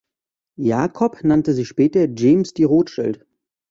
Jakob nannte sich später "James de Rothschild".